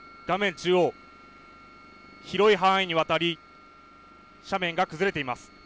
中央広い範囲にわたり斜面が崩れています。